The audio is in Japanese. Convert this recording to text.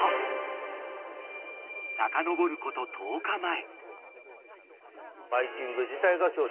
［さかのぼること１０日前］